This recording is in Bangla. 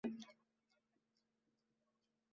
ঐ-সকল ভাব প্রকাশ করিবার বিশিষ্ট শব্দরাশি আছে।